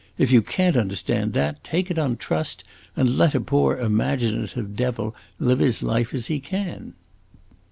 If you can't understand it, take it on trust, and let a poor imaginative devil live his life as he can!"